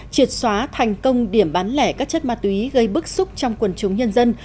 triệt xóa thành công điểm bán lẻ các chất ma túy gây bức xúc trong quần chúng nhân dân